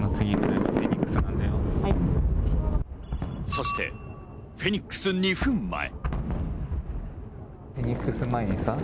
そしてフェニックス２分前。